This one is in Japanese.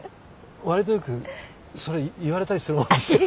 わりとよくそれ言われたりするもんですから。